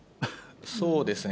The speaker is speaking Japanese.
そうですね。